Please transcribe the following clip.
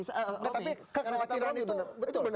tapi kekhawatiran itu